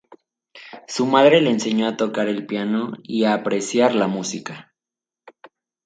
Su madre le enseñó a tocar el piano y a apreciar la música.